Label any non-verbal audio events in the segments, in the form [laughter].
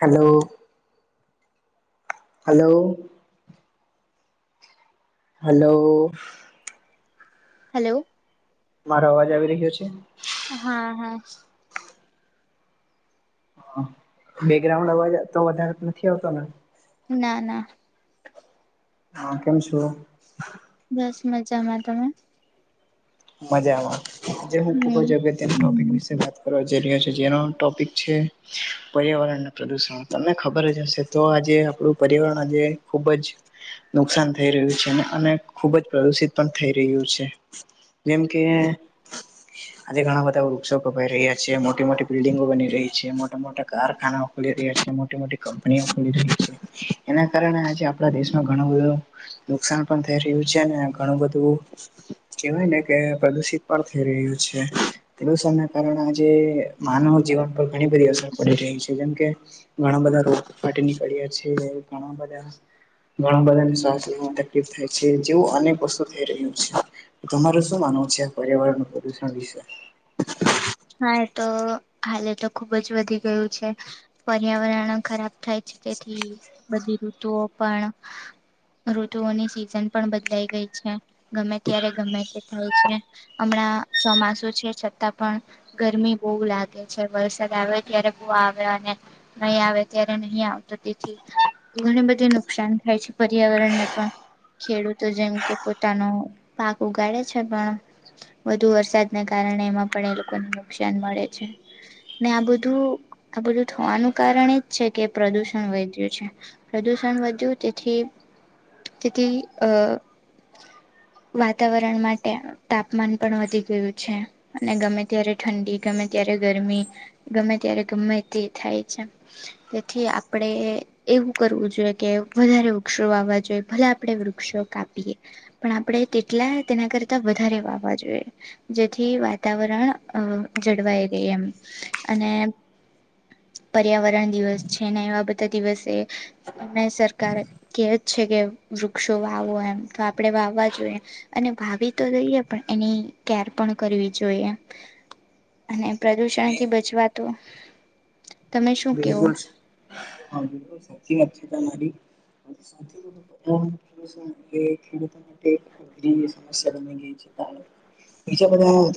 Hello. Hello. Hello. Hello. મારો અવાજ આવી રહ્યો છે. હા હા. બેકગ્રાઉન્ડ અવાજ તો વધારે નથી આવતો ના ના. હા કેમ છો. બસ મજામાં તમે મજા આવેમાં જે હું ખૂબ હમ જગ ટોપિક વિશે. કરવા જઈ રહ્યો છે જેનો ટોપિક છે. પર્યાવરણ પ્રદુષણ તમને ખબર જ હશે તો આજે આપણું પર્યાવરણ આજે ખુબ જ નુકસાન થઈ રહ્યું છે અને ખુબ જ પ્રદુષિત પણ થઈ રહ્યું છે. જેમ કે આજે ઘણા બધા વૃક્ષો ગોપાઈ રહ્યા છે. મોટી મોટી બિલ્ડિંગો બની રહી છે મોટા મોટા કારખાના. ખલી રહ્યા છે મોટી મોટી કંપનીઓ ખુલી ર છે એના કારણે આજે આપણા દેશમાં ઘણું બધો નુકસાન પણ થઈ રહ્યું છે ને ઘણું બધું કેવાય ને કે પ્રદુષિત પણ થઈ રહ્યું છે. પ્રદુષણ ના કારણે આજે માનવ જીવન પર ઘણી બધી અસર પડી રહી છે જેમ કે ઘણા બધા રોગ ફાટી નીકળ્યા છે ઘણા બધા ઘણા બધાને સ્વાસ લેવામાં તકલીફ થાય છે જેવું અનેક વસ્તુ થઈ રહ્યું છે તમાર હું માનુ છે પર્યાવરણ પ્રદૂષણ વિષ હા એ તો હાલે તો ખુબ જ વધી ગયું છે પર્યાવરણ ખરાબ ખાાય છે તેથી. બધી ઋતુઓ પણ ઋતુઓની સિઝન પણ બદલા ગઈ છે. ગમે ત્યારે ગમે તે થાય છે હમણાં ચોમાસું છે છતાં પણ ગરમી બહુ લાગે છે વરસાદ આવે ત્યારે બહ આવે અને નહીં આવે ત્યારે નહી આવતું તેથી. ઘણી બધી નુકસાન થાય છે પર્યાવરણ ને પણ ખેડૂતો જેમ કે પોતાનો પાક ઉગાડે છે પણ વધુ વરસાદને કારણે એમાં પણ એ લોકોને નુકસાન મળે છે. ને આ બધું આ બધું થવાનું કારણ એજ છે કે પ્રદુષણ વધય્યું છે. પ્રદૂષણ વધ્યું તેથી તેથી અ વાતાવરણ માટે તાપમાન પણ વધી ગયું છે અને ગમે ત્યારે ઠંડી ગમે ત્યારે ગરમી ગમે ત્યારે ગમે તે થાય છે. તેથી આપણેે. એવું કરવું જોઈએ કે વધારે વૃક્ષો વાવા જોઈએ ભલે આપણે વૃક્ષો કાપીએ પણ આપણે તેટલા તેના કરતા વધારે વાવા જોઈએ જેથી વાતાવરણ અ જળવાઈ રહી એમ અને પર્યાવરણ દિવસ છે ને એવા બધા દિવસે અમે સરકાર કહે છે કે વૃક્ષો વાવો એમ તો આપણે વાવવા જોઈએ. અને ભાભી તો જોઈએ પણ એને કેર પણ કરવી જોઈએ. અને પ્રદુષણથી બચવા તો. તમે શું કેવો બિલકુલ હા બિલકુલ સાચી વાત છે તમારી. હમ. એ ખેડૂતો માટે અઘરી સમસ્યા બની ગઈ છે પાણી બીજા બધા હું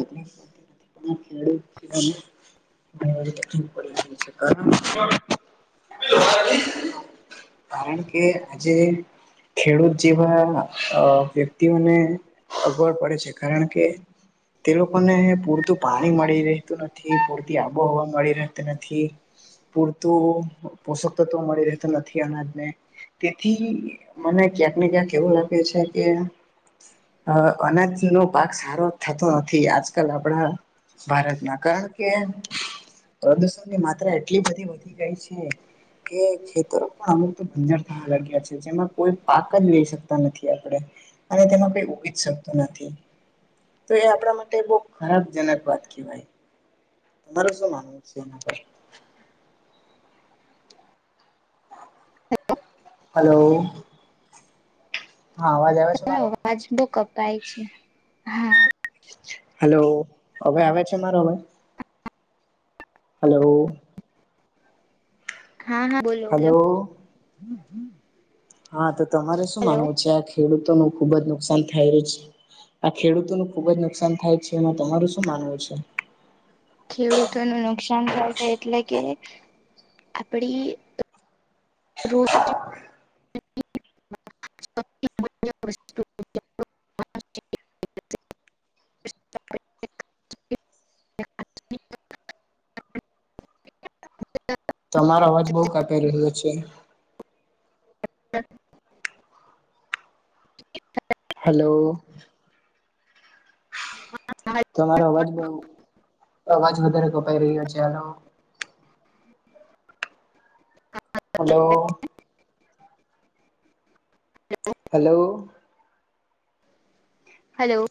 તકલીફ. બીજા બધા ને તકલીફ પડી છે કારણ કે કારણ કે આજે ખેડૂત જેવા અ વ્યક્તિઓને અવગડ પડે છે કારણ કે તે લોકોને પૂરતું પાણી મળી રહેતું નથી, પૂરતી આબોહવા મળી રહેતી નથી. પૂરતું પોષકતત્વ મળી રહેતો નથી અનાજને તેથી મને ક્યાંક ને ક્યાંક એવું લાગે છે કે અ અનાજનો પાક સારો થતો નથી આજકાલ આપણા ભારતમાં કારણ કે પ્રદુષણની માત્રા એટલી બધી વધી ગઈ છે. કે ખેતરો પણ અમુક તો બંજર થવા લાગ્યા છે જેમાં કોઈ પાક જ લઈ શકતા નથી આપડે. અને તેમાં કોઈ ઉગી જ શકતું નથી. તો એ આપણા માટે બહુ ખરાબજનક વાત કહેવાય. તમારું શું માનવું છે એના પર. હલો. હા અવાજ આવ છે તમારો મારો. અવાજ બો કપાય છે. હા આવે. હલો હવે આવે છે મારો અવાજ. હલો. હા-હા બોલો-બોલો. હલો હા તો તમારે શું માનવું છે આ ખેડૂતો નુ ખુબ જ નુકસાન થયેરુ છે. આ ખેડૂતોનું ખુબ જ નુકસાન થાય છે એમાં તમારું શું માનવું છે? ખેડૂતોનું નુકસાન થાય છે એટલે કે આપડી રોટી. [unintelligible] [unintelligible] તમારો અવાજ બઉ કાપી રહ્યો છે. [unintelligible] એક. [unintelligible] હલો. તમારો અવાજ બઉ અવાજ વધારે કપાઈ રહ્યો છે. હાલો. હલો. [inaudible] હલો. હલો.